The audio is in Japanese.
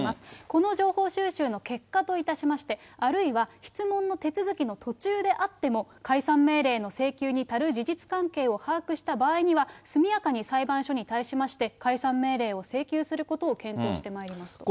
この情報収集の結果といたしまして、あるいは質問の手続きの途中であっても、解散命令の請求に足る事実関係を把握した場合には、速やかに裁判所に対しまして、解散命令を請求することを検討してまいりますと。